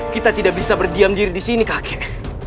kita tidak bisa berdiam diri disini kakek